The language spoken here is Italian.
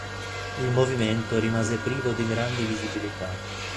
Il movimento rimase privo di grandi visibilità.